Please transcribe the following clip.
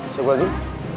siap gua zim